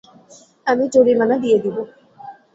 আমি জরিমানা দিয়ে দেব!